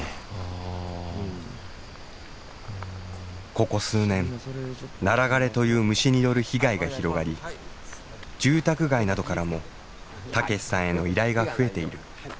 ここ数年ナラ枯れという虫による被害が広がり住宅街などからも武さんへの依頼が増えている。